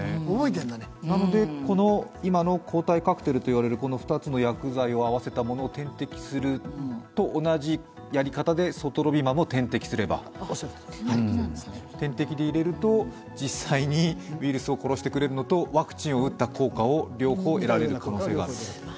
なので、抗体カクテルと言われる２つの薬剤を合わせたものを点滴するのと同じやり方でソトロビマブを点滴で入れると実際にウイルスを殺してくれるのとワクチンを打った効果を両方得られる可能性があると。